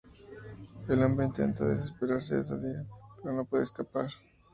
El hombre intenta desesperadamente salir pero no puede escapar.